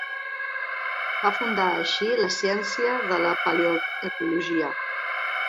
Va fundar, així, la ciència de la paleoecologia.